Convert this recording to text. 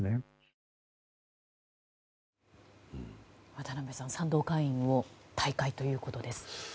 渡辺さん、賛同会員を退会ということです。